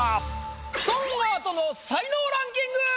ストーンアートの才能ランキング！